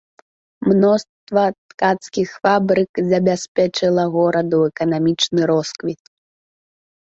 Мноства ткацкіх фабрык забяспечыла гораду эканамічны росквіт.